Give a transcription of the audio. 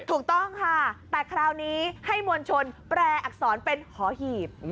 ถูกต้องค่ะแต่คราวนี้ให้มวลชนแปรอักษรเป็นหอหีบ